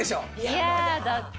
いやだって。